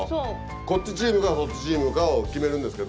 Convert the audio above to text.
こっちチームかそっちチームかを決めるんですけど。